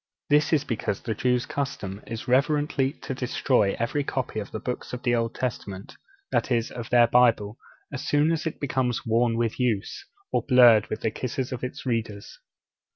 This is because the Jews' custom is reverently to destroy every copy of the Books of the Old Testament that is, of their Bible as soon as it becomes worn with use, or blurred with the kisses of its readers.